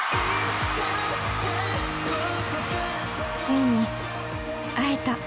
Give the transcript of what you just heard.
ついに会えた。